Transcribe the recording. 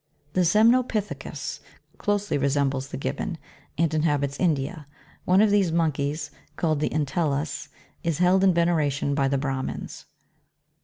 15. The SEMNOPITHECUS closely resembles the Gibbon, and in habits India. One of these monkeys, called the Entellus, (Plate l,Jry. 6.) is held in veneration by the Brahmins.